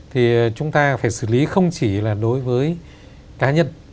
thì chúng ta phải xử lý không chỉ là đối với cá nhân